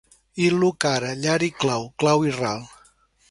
Il·lu cara— llar i cau, clau i ral.